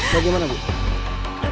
terus bagaimana bu